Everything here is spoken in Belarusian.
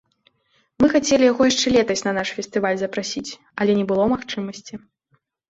Мы хацелі яго яшчэ летась на наш фестываль запрасіць, але не было магчымасці.